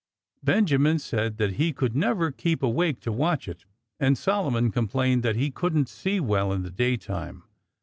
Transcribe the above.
Benjamin said that he could never keep awake to watch it; and Solomon complained that he couldn't see well in the daytime.